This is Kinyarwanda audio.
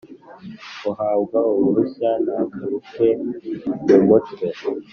Uhabwa Uruhushya Ntagaruke Mu Mutwe